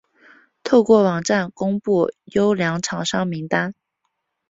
透过网站公布优良厂商名单